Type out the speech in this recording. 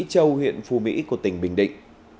châu huyện phù mỹ của tỉnh bình định